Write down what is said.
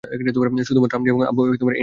শুধুমাত্র আপনি এবং আব্বু আমাকে এই নামে ডাকেন!